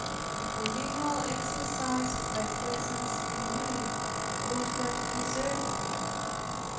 The continual experience of Thy presence in me was what preserved me.